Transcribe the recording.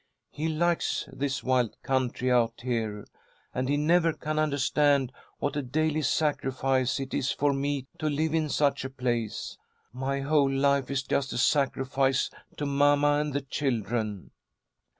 He likes this wild country out here, and he never can understand what a daily sacrifice it is for me to live in such a place. My whole life is just a sacrifice to mamma and the children."